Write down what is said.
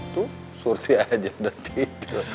tuh surti aja udah tidur